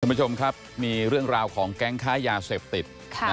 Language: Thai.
คุณผู้ชมครับมีเรื่องราวของแก๊งค้ายาเสพติด